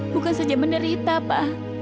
bukan saja menderita pak